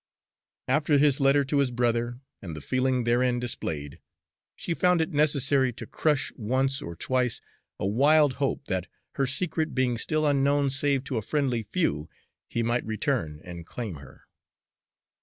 After his letter to her brother, and the feeling therein displayed, she found it necessary to crush once or twice a wild hope that, her secret being still unknown save to a friendly few, he might return and claim her.